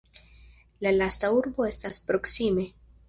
La lasta urbo estas proksime.